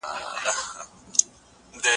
سل واره بیا سل واره بیاورځمه